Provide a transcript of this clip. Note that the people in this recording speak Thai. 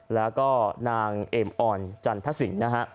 แล้วก็นางเอ็มอ่อนจันทศิลป์นะฮะ